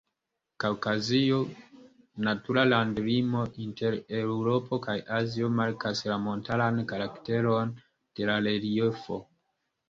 Kaŭkazio, natura landlimo inter Eŭropo kaj Azio, markas la montaran karakteron de la reliefo.